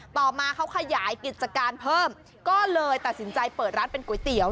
ต่อมาเขาขยายกิจการเพิ่มก็เลยตัดสินใจเปิดร้านเป็นก๋วยเตี๋ยว